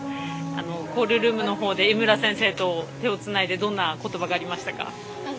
コールルームのほうで井村コーチと手をつないでどんな言葉がありましたか？